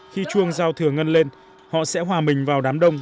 khi chuông giao thừa ngân lên họ sẽ hòa mình vào đám đông